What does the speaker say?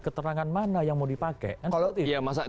keterangan mana yang mau dipakai